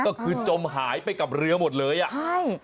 ก็คือจมหายไปกับเรือหมดเลยอ่ะใช่